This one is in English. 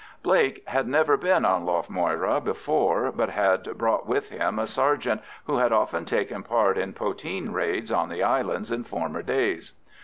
Blake had never been on Lough Moyra before, but had brought with him a sergeant who had often taken part in poteen raids on the islands in former days.